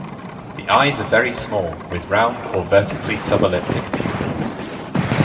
The eyes are very small, with round or vertically subelliptic pupils.